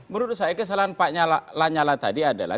menurut saya kesalahan pak lanyala tadi adalah